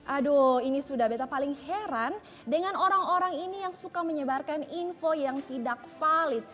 aduh ini sudah beta paling heran dengan orang orang ini yang suka menyebarkan info yang tidak valid